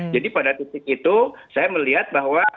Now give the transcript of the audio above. jadi pada titik itu saya melihat bahwa